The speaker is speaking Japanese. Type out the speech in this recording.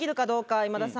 今田さん